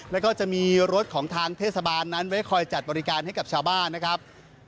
แล้วก็จะมีรถของทางเทศบาลนั้นไว้คอยจัดบริการให้กับชาวบ้านนะครับ